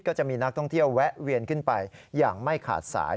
ก็จะมีนักท่องเที่ยวแวะเวียนขึ้นไปอย่างไม่ขาดสาย